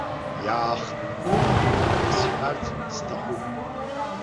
Иаахтны исҳәарц сҭахуп.